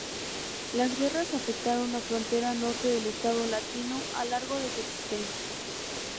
Las guerras afectaron la frontera norte del Estado latino a largo de su existencia.